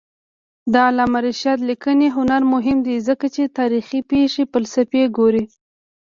د علامه رشاد لیکنی هنر مهم دی ځکه چې تاریخي پېښې فلسفي ګوري.